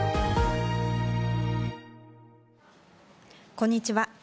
こんにちは。